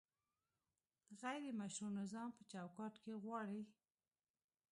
غیر مشروع نظام په چوکاټ کې غواړي؟